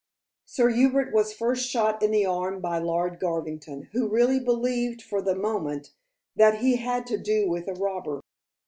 Sir Hubert was first shot in the arm by Lord Garvington, who really believed for the moment that he had to do with a robber.